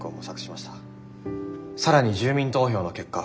更に住民投票の結果